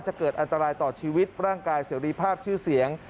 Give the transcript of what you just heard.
เกิดอันตรายต่อชีวิตร่างกายเสรีภาพชื่อเสียง